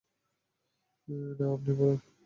না, আপনি বলুন।